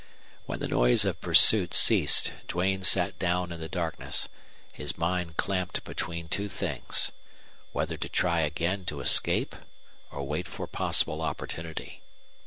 When the noise of pursuit ceased Duane sat down in the darkness, his mind clamped between two things whether to try again to escape or wait for possible opportunity.